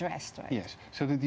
masalah yang terjadi